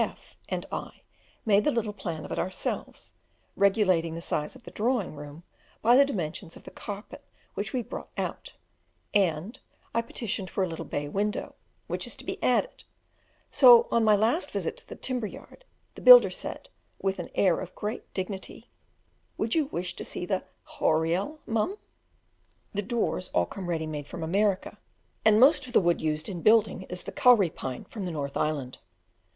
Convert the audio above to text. F and I made the little plan of it ourselves, regulating the size of the drawing room by the dimensions of the carpet we brought out, and I petitioned for a little bay window, which is to be added; so on my last visit to his timber yard, the builder said, with an air of great dignity, "Would you wish to see the _h_oriel, mum?" The doors all come ready made from America, and most of the wood used in building is the Kauri pine from the North Island.